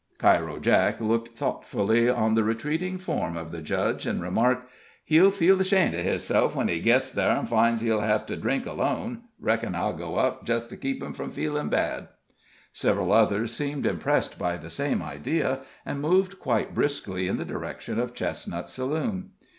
Cairo Jake looked thoughtfully on the retreating form of the judge, and remarked: "He'll feel ashamed of hisself when he gits thar an' finds he'll hev to drink alone. Reckon I'll go up, jest to keep him from feelin' bad." Several others seemed impressed by the same idea, and moved quite briskly in the direction of Chestnut's saloon.